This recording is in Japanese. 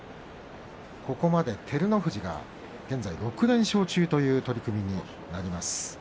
ここまで照ノ富士が現在６連勝中という取組になります。